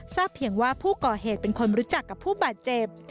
เพียงว่าผู้ก่อเหตุเป็นคนรู้จักกับผู้บาดเจ็บ